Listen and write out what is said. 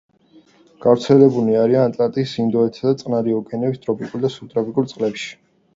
გავრცელებული არიან ატლანტის, ინდოეთისა და წყნარი ოკეანეების ტროპიკულ და სუბტროპიკულ წყლებში.